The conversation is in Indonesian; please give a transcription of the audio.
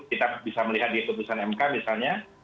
kita bisa melihat di keputusan mk misalnya